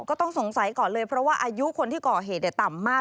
ก็ต้องสงสัยก่อนเลยเพราะว่าอายุคนที่ก่อเหตุต่ำมาก